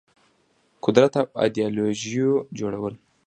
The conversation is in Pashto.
قدرت او ایدیالوژيو جوړول